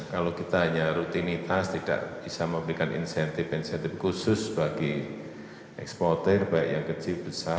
kalau kita hanya rutinitas tidak bisa memberikan insentif insentif khusus bagi eksportir baik yang kecil besar